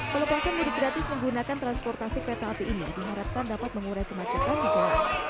pelepasan mudik gratis menggunakan transportasi kereta api ini diharapkan dapat mengurai kemacetan di jalan